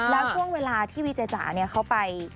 แล้วช่วงเวลาที่วิจัยจ๋าเนี่ยเข้าไป